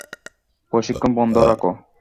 প্রশিক্ষণ বন্ধ রাখো।